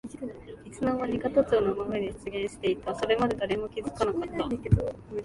いつのまにか都庁の真上に出現していた。それまで誰も気づかなかった。